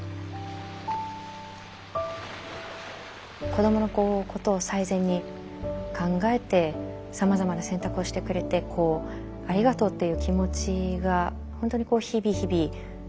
子どものことを最善に考えてさまざまな選択をしてくれてありがとうっていう気持ちが本当に日々日々強まるばかりですけれど。